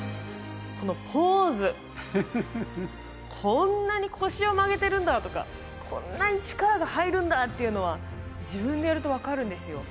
このポーズこんなに腰を曲げてるんだとかこんなに力が入るんだっていうのは自分でやると分かるんですよ